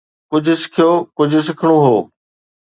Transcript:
ڪجهه سکيو، ڪجهه سکڻو هو